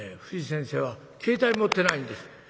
藤先生は携帯持ってないんです。